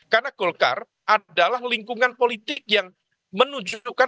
karena golkar adalah lingkungan politik yang menunjukkan